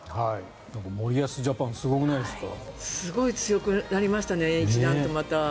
なんか森保ジャパンすごくないですか？